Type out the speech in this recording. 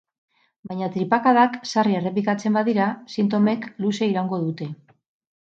Baina tripakadak sarri errepikatzen badira, sintomek luze iraungo dute.